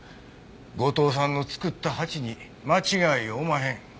後藤さんの作った鉢に間違いおまへん。